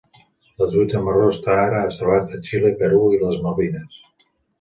La truita marró està ara establerta a Xile, Perú i les Malvines.